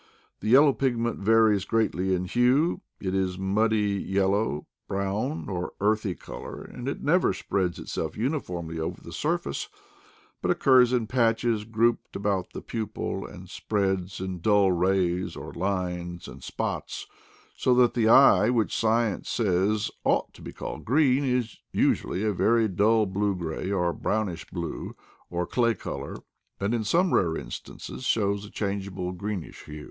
The yellow pigment varies greatly in hue; it is muddy yellow, brown, or earthy color, and it never spreads itself uniformly over the surface, but occurs in patches grouped about the pupil and spreads in dull rays or lines and spots, so that the eye which science says "ought to be called green' ' is usually a very dull blue gray, or brownish blue, or clay color, and in some rare instances shows a changeable greenish hue.